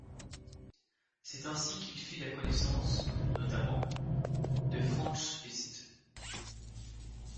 C'est ainsi qu'il fit la connaissance, notamment, de Franz Liszt.